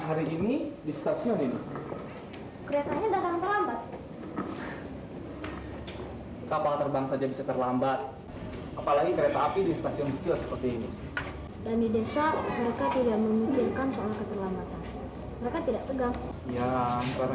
seperti ini dan di desa mereka tidak memikirkan soal keterlambatan mereka tidak pegang ya karena